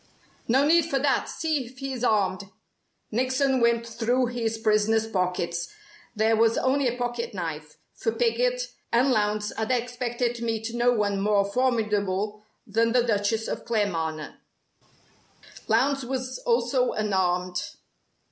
"No need for that. See if he's armed." Nickson "went through" his prisoner's pockets. There was only a pocket knife, for Piggott and Lowndes had expected to meet no one more formidable than the Duchess of Claremanagh. Lowndes was also unarmed.